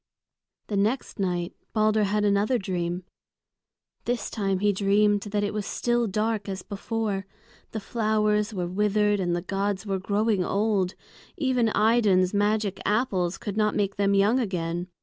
The next night Balder had another dream. This time he dreamed that it was still dark as before; the flowers were withered and the gods were growing old; even Idun's magic apples could not make them young again.